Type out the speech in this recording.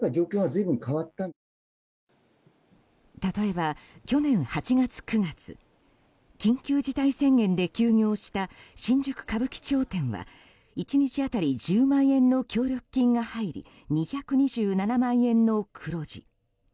例えば去年８月、９月緊急事態宣言で休業した新宿・歌舞伎町店は１日当たり１０万円の協力金が入り２２７万円の黒字。